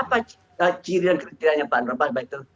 apa ciri ciri pak androban itu